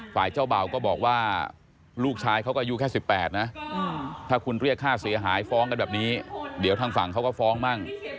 ฝ่ายเจ้าเบาก็บอกว่าลูกชายเขาก็อายุแค่๑๘นะถ้าคุณเรียกค่าเสียหายฟ้องกันแบบนี้เดี๋ยวทางฝั่งเขาก็ฟ้องมั่ง